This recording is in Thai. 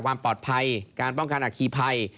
ความปลอดภัยการป้องกันอคีภัย